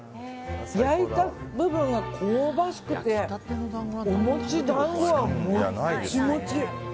焼いた部分が香ばしくてお餅団子はモッチモチ。